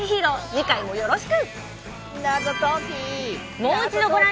次回もよろしく！